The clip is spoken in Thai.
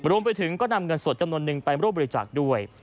รวมไปถึงก็นำเงินสดจำนวนนึงไปร่วมบริจาคด้วย